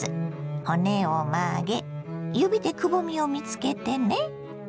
骨を曲げ指でくぼみを見つけてね。